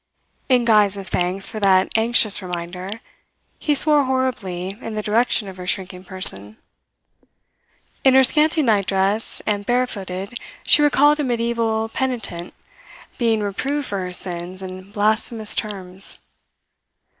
In guise of thanks for that anxious reminder, he swore horribly in the direction of her shrinking person. In her scanty nightdress, and barefooted, she recalled a mediaeval penitent being reproved for her sins in blasphemous terms.